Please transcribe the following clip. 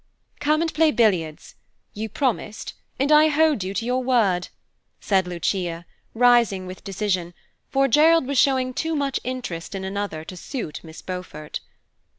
"Come and play billiards. You promised, and I hold you to your word," said Lucia, rising with decision, for Gerald was showing too much interest in another to suit Miss Beaufort.